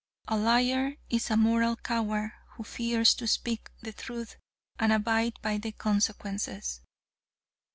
A liar is a moral coward who fears to speak the truth and abide by the consequences.